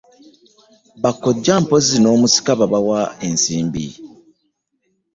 Bakojja mpozzi n'omusika babawa ensimbi.